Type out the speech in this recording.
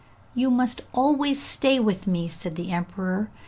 'You must always stay with me!' said the emperor.